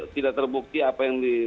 tidak terbukti apa yang di